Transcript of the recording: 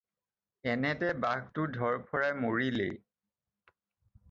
এনেতে বাঘটো ধৰফৰাই মৰিলেই।